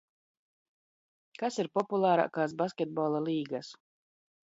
Kas ir populārākās basketbola līgas?